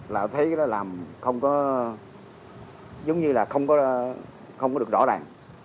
là thấy cái đó làm không có giống như là không có không có được rõ ràng